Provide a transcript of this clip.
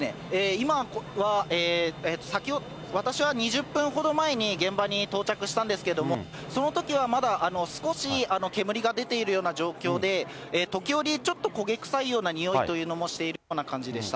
今は、私は２０分ほど前に現場に到着したんですけれども、そのときはまだ、少し煙が出ているような状況で、時折、ちょっと焦げ臭いような臭いというのもしているような感じでした。